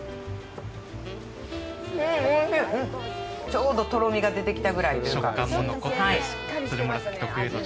ちょうどとろみが出てきたぐらいというか。